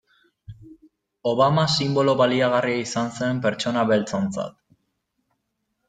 Obama sinbolo baliagarria izan zen pertsona beltzontzat.